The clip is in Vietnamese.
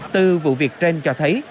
từ vụ việc trên cho thấy